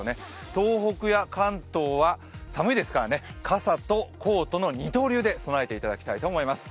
東北や関東は寒いですから傘とコートの二刀流で備えていただきたいと思います。